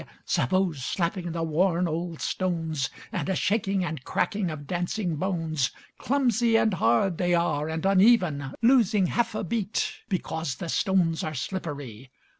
Sabots slapping the worn, old stones, And a shaking and cracking of dancing bones; Clumsy and hard they are, And uneven, Losing half a beat Because the stones are slippery.